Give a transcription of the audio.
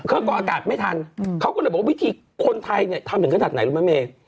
เครื่องกองอากาศไม่ทันเขาก็เลยบอกว่าวิธีคนไทยทำอย่างขนาดไหนรู้ไหมเม